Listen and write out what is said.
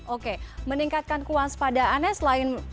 oke meningkatkan kewaspadaannya